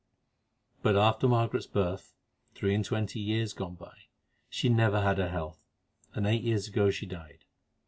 But after Margaret's birth, three and twenty years gone by, she never had her health, and eight years ago she died.